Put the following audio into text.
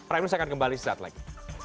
raihbun saya akan kembali sekejap lagi